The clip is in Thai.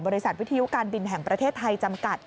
วิทยุการบินแห่งประเทศไทยจำกัด